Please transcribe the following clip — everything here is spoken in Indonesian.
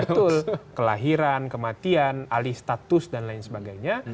betul kelahiran kematian alih status dan lain sebagainya